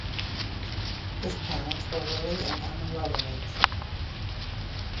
His parents were Willie and Emma Loveridge.